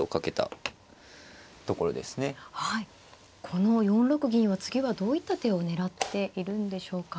この４六銀は次はどういった手を狙っているんでしょうか。